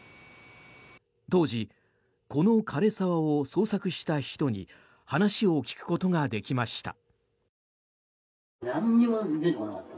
当時、この枯れ沢を捜索した人に話を聞くことができました。